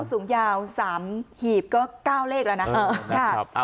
สูงยาว๓หีบก็๙เลขแล้วนะ